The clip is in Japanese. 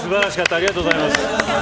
ありがとうございます。